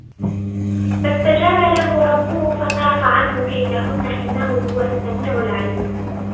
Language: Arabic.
فَاسْتَجَابَ لَهُ رَبُّهُ فَصَرَفَ عَنْهُ كَيْدَهُنَّ إِنَّهُ هُوَ السَّمِيعُ الْعَلِيمُ